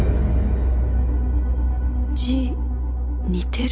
字似てる？